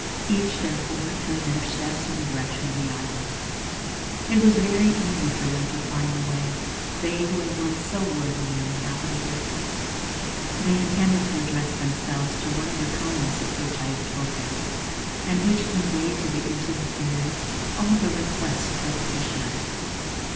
Each, therefore, turned their steps in the direction of the Island. It was very easy for them to find the way, they who had once so worthily inhabited it. They intended to address themselves to one of the columns of which I have spoken, and which conveyed to the ears of the Fairy all the requests of her petitioners.